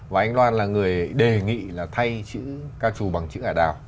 và anh loan là người đề nghị là thay chữ ca trù bằng chữ ả đào